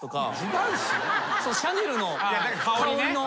シャネルの香りの。